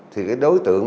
thì cái đối tượng